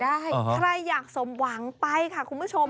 ใครอยากสมหวังไปค่ะคุณผู้ชม